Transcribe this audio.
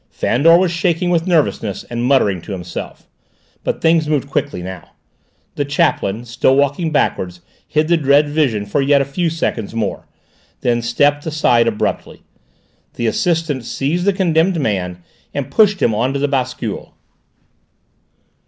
Fandor was shaking with nervousness and muttering to himself. But things moved quickly now. The chaplain, still walking backwards, hid the dread vision for yet a few seconds more, then stepped aside abruptly. The assistants seized the condemned man, and pushed him on to the bascule.